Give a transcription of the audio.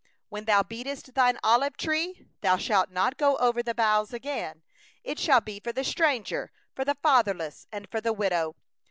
20When thou beatest thine olive tree, thou shalt not go over the boughs again; it shall be for the stranger, for the fatherless, and for the widow.